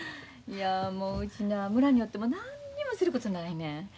いやもううちのは村におっても何にもすることないねん。